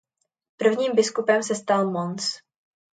Prvním biskupem se stal Mons.